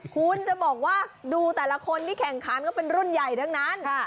คุณจะบอกว่าดูแต่ละคนที่แข่งขันก็เป็นรุ่นใหญ่ทั้งนั้น